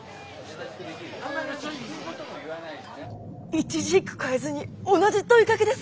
一字一句変えずに同じ問いかけです。